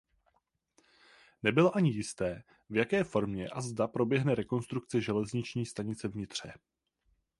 Nebylo ani jisté v jaké formě a zda proběhne rekonstrukce železniční stanice v Nitře.